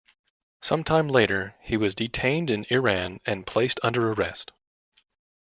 Sometime later, he was detained in Iran and placed under arrest.